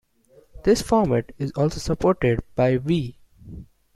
This format is also supported by the Wii.